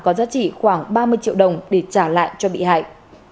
có giá trị khoảng ba mươi triệu đồng để trả lại cho bị hại